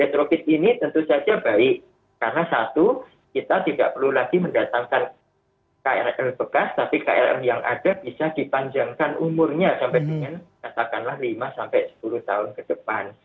metropit ini tentu saja baik karena satu kita tidak perlu lagi mendatangkan krl bekas tapi klm yang ada bisa dipanjangkan umurnya sampai dengan katakanlah lima sampai sepuluh tahun ke depan